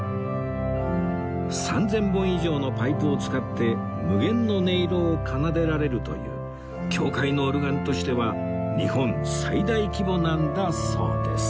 ３０００本以上のパイプを使って無限の音色を奏でられるという教会のオルガンとしては日本最大規模なんだそうです